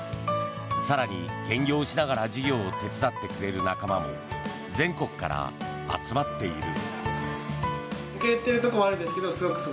更に兼業しながら事業を手伝ってくれる仲間も全国から集まっている。